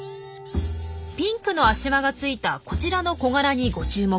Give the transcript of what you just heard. ピンクの足輪がついたこちらのコガラにご注目。